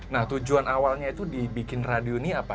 nah tujuan awalnya itu dibikin radio ini apa